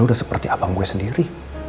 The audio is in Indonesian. lo sudah seperti abang gue sendiri